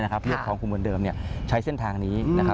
เรียกคลองขุมวันเดิมใช้เส้นทางนี้